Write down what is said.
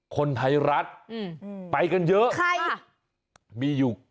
คนไทยรัฐไปกันเยอะใคร